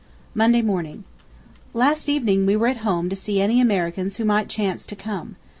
Monday Morning. Last evening we were at home to see any Americans who might chance to come.